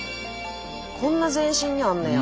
こんな全身にあんねや。